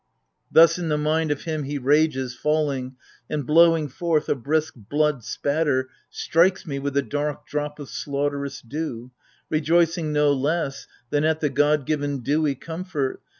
Thus in the mind of him he rages, falling, And blowing forth a brisk blood spatter, strikes me With the dark drop of slaughterous dew — rejoicing No less than, at the god given dewy comfort.